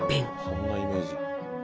そんなイメージ。